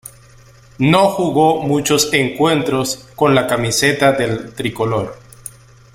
No jugó muchos encuentros con la camiseta del "tricolor".